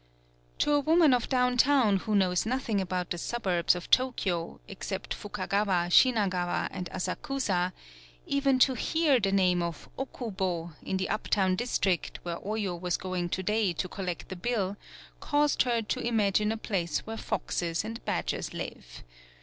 To a woman of down town who knows nothing about the suburbs of To kyo, except Fukagawa, Shinagawa, and Asakusa, even to hear the name of Okubo in the uptown district where Oyo was going to day to collect the bill, caused her to imagine a place where foxes and badgers live.